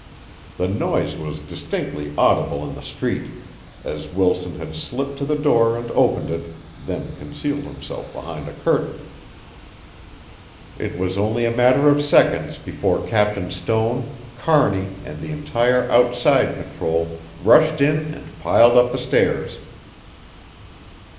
The noise was distinctly audible in the street, as Wilson had slipped to the door and opened it, then concealed himself behind a curtain. It was only a matter of seconds before Captain Stone, Kearney and the entire outside patrol rushed in and piled up the stairs.